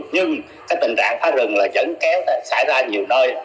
nhưng tình trạng phá rừng vẫn kéo xảy ra nhiều nơi